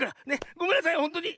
ごめんなさいほんとに。